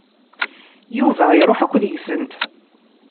Yuba iṛuḥ akk deg-sent.